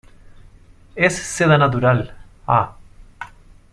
es seda natural. ah.